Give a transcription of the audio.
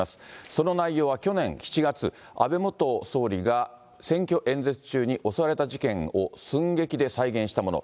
その内容は去年７月、安倍元総理が選挙演説中に襲われた事件を寸劇で再現したもの。